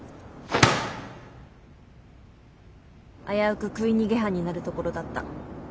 危うく食い逃げ犯になるところだった。